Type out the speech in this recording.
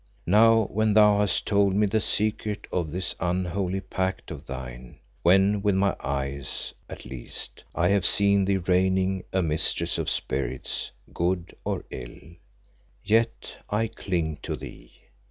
Now, when thou hast told me the secret of this unholy pact of thine, when with my eyes, at least, I have seen thee reigning a mistress of spirits good or ill, yet I cling to thee.